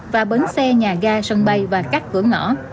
và bến xe nhà ga sân bay và các cửa ngõ